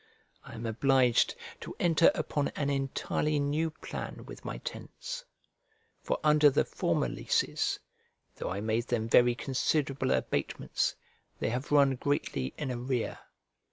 I am obliged to enter upon an entirely new plan with my tenants: for under the former leases, though I made them very considerable abatements, they have run greatly in arrear.